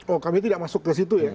oh kami tidak masuk ke situ ya